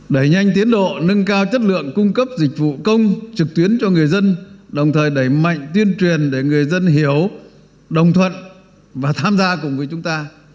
đẩy nhanh tiến độ nâng cao chất lượng cung cấp dịch vụ công trực tuyến cho người dân đồng thời đẩy mạnh tuyên truyền để người dân hiểu đồng thuận và tham gia cùng với chúng ta